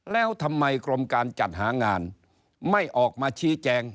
แล้วทำไมกรมการจัดหางานไม่ออกมาชี้แจง